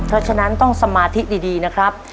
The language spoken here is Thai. เพราะฉะนั้นต้องสมาธิดีนะครับ